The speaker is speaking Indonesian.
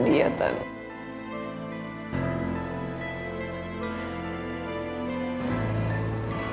dan hidupku tanpa diatan